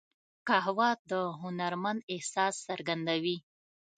قهوه د هنرمند احساس څرګندوي